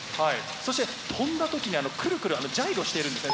そして飛んだ時にくるくるジャイロしているんですね。